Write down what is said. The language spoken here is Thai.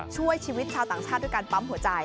ช่วยชีวิตชาวต่างชาติด้วยการปั๊มหัวใจ